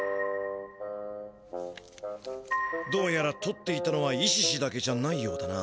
どうやらとっていたのはイシシだけじゃないようだな。